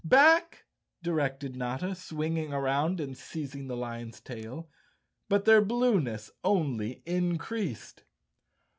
"Back!" directed Notta, swinging around and seiz¬ ing the lion's tail. But their blueness only increased.